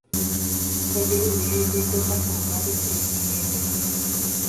Ojerure jaikopa hag̃ua peteĩ ñe'ẽme